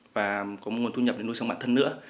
và có nguồn thu nhập để nuôi sống bản thân nữa